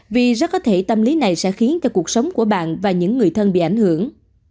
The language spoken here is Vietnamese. vì rất có thể tâm lý này sẽ khiến cho cuộc sống của bạn và những người thân bị ảnh hưởng